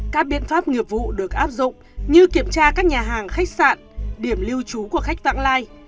các biện pháp nghiệp vụ được áp dụng như kiểm tra các nhà hàng khách sạn điểm lưu trú của khách vãng lai